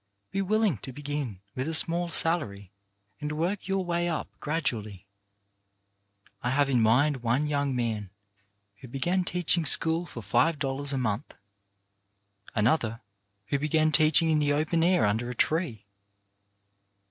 E>e willing to begin with a small salary and work your way up gradually. I have in mind one young man who began teaching school for five dollars a month ; another who began teaching in the open air under a tree.